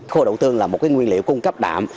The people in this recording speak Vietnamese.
khô đậu tương là một cái nguyên liệu cung cấp đạm